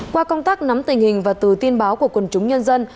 qua công tác nắm tình hình và từ tin báo của quần chúng nhân dân